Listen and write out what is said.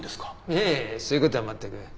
いえそういう事は全く。